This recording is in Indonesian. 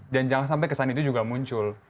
dan jangan sampai kesan itu juga muncul